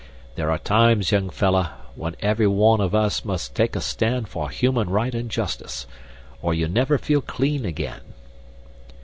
There are times, young fellah, when every one of us must make a stand for human right and justice, or you never feel clean again.